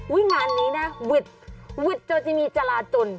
วิ่งงานนี้นะวิทย์วิทย์โจจิมีจราจร